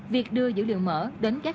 việc đưa dữ liệu mở đến hồ chí minh